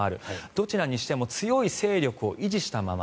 どちらにしても強い勢力を維持したまま